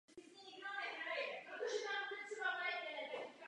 V regionu se proto nachází mnoho táborů pro válečné uprchlíky.